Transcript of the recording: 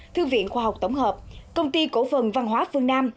thư viện khoa học tổng hợp công ty cổ phần văn hóa phương nam